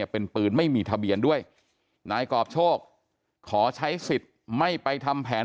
เป็นปืนไม่มีทะเบียนด้วยนายกรอบโชคขอใช้สิทธิ์ไม่ไปทำแผน